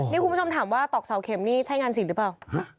นี่คุณผู้ชมถามว่าตอกเสาเข็มนี่ใช่งานศิลปหรือเปล่า